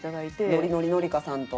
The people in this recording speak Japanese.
ノリノリノリカさんと？